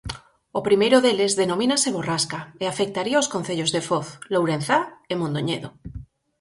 O primeiro deles denomínase Borrasca, e afectaría os concellos de Foz, Lourenzá e Mondoñedo.